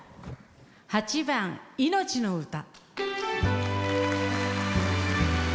８番「いのちの歌」。